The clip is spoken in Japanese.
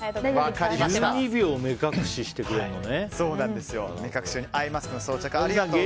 １２秒、目隠ししてくれるのね。